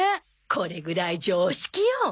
これぐらい常識よ。